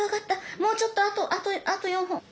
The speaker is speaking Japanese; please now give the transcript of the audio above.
もうちょっとあと４本。